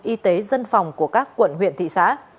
y tế dân phòng của các quận huyện thị xã